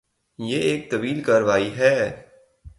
یہ ایک طویل کارروائی ہے۔